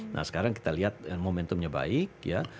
nah sekarang kita lihat momentumnya baik ya